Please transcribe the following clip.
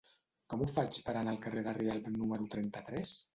Com ho faig per anar al carrer de Rialb número trenta-tres?